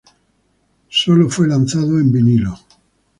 Sólo fue lanzado en vinilo.